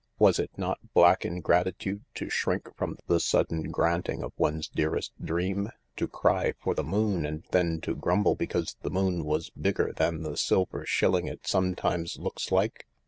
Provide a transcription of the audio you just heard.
Was it not black ingratitude to shrink from the sudden granting of one's dearest dream ? To cry for the moon, and then to grumble because the moon was bigger than the silver shilling it sometimes looks like